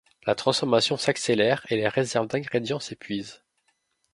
La transformation s'accélère et les réserves d'ingrédients s'épuisent.